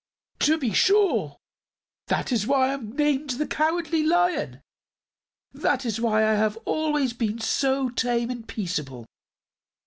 "To be sure. That is why I am named the Cowardly Lion. That is why I have always been so tame and peaceable.